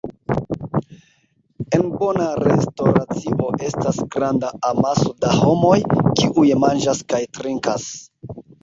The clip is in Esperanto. En bona restoracio estas granda amaso da homoj, kiuj manĝas kaj trinkas.